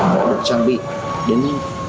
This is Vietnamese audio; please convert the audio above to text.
được trang bị đến